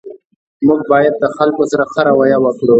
موږ باید د خلګو سره ښه رویه وکړو